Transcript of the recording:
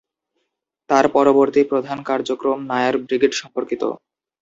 তার পরবর্তী প্রধান কার্যক্রম নায়ার ব্রিগেড সম্পর্কিত।